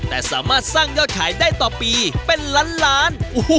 แต่สามารถสร้างยอดขายได้ต่อปีเป็นล้านล้าน